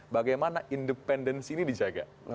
bagaimana independensi ini dijaga